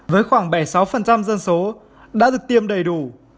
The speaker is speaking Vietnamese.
với khoảng bảy mươi sáu dân số đã được tiêm đầy đủ